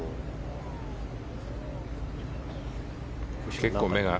結構、目が。